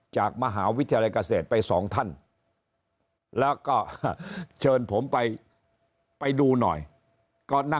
จากมหาวิทยาลัยกระเศษไป๒ท่านแล้วก็เชิญผมไปไปดูหน่อยก็